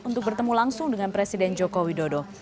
untuk bertemu langsung dengan presiden jokowi dodo